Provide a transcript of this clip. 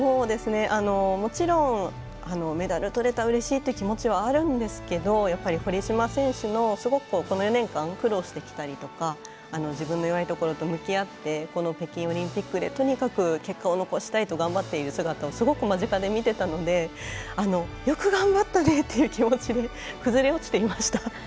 もちろんメダルとれたうれしいっていう気持ちはあるんですけどやっぱり堀島選手のすごく、この４年間苦労してきたりとか自分の弱いところと向き合ってこの北京オリンピックでとにかく結果を残したいと頑張っている姿をすごく間近で見ていたのでよく頑張ったねっていう気持ちで崩れ落ちていました。